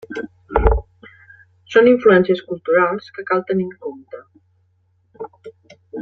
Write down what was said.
Són influències culturals que cal tenir en compte.